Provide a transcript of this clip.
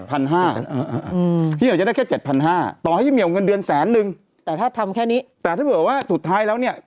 พี่เหี่ยวจะได้แค่เจ็ดพันห้าต่อให้พี่เหี่ยวเงินเดือนแสนนึงแต่ถ้าทำแค่นี้แต่ถ้าเกิดว่าสุดท้ายแล้วเนี่ย